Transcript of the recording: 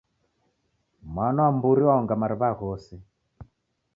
Mwana wa mburi waonga mariw'a ghose.